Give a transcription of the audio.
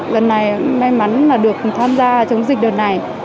lần này may mắn là được tham gia chống dịch đợt này